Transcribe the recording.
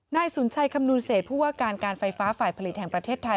นายสุนชัยคำนวณเศษผู้ว่าการการไฟฟ้าฝ่ายผลิตแห่งประเทศไทย